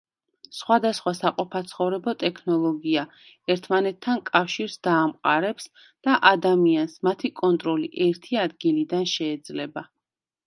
სხვადასხვა საყოფაცხოვრებო ტექნოლოგია, ერთმანეთთან კავშირს დაამყარებს და ადამიანს მათი კონტროლი ერთი ადგილიდან შეეძლება.